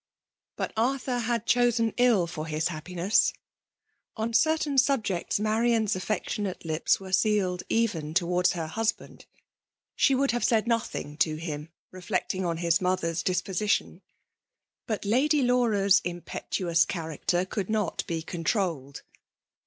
But Arthur had chosen ill for his hafypi* ness. On certain subjects Marian's afiection* ate lips were sealed even towards her husband. She would have said nothing to him reflecting on his mother's disposition. But Lady Laura's impetuous character could not be controlled.